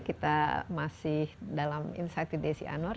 kita masih dalam insight with desi anwar